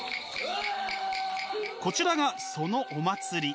こちらがそのお祭り。